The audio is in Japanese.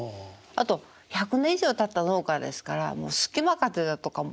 あと１００年以上たった農家ですから隙間風だとかもすごいんですよ。